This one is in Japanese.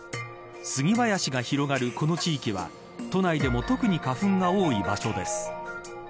杉林が広がるこの地域は都内でも特に花粉が多い場所です。